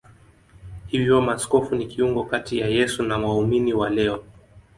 Hivyo maaskofu ni kiungo kati ya Yesu na waumini wa leo.